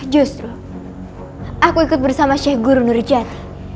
justru aku ikut bersama syekh guru nurjati